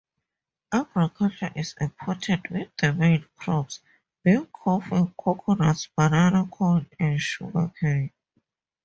Agriculture is important with the main crops being coffee, coconuts, banana, corn, and sugarcane.